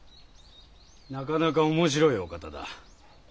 なかなか面白いお方だ。